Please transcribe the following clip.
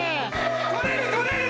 ・取れる取れる。